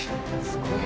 すごい。